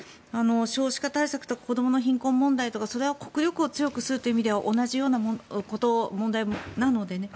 少子化対策と子どもの貧困問題とかそれは国力を強くするという意味では同じような問題なのでね。